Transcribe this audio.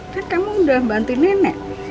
kan kamu udah bantu nenek